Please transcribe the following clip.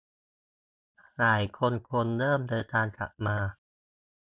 หลายคนคงเริ่มเดินทางกลับมา